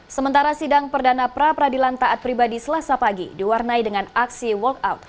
sementara sidang perdana pra peradilan taat pribadi selasa pagi diwarnai dengan aksi walkout